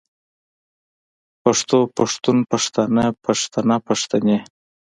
پښتو پښتون پښتانۀ پښتنه پښتنې